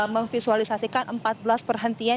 memvisualisasikan empat belas perhentian